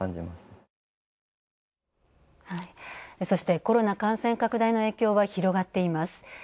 そして、コロナ感染拡大の影響は広がっています。